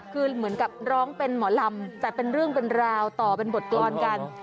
คือเหมือนกับร้องเป็นหมอลำแต่เป็นเรื่องเป็นราวต่อเป็นบทกรรมกัน